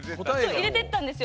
入れてったんですよ